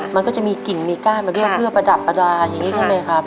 มันก็จะมีกิ่งมีก้านมาด้วยเพื่อประดับประดาษอย่างนี้ใช่ไหมครับ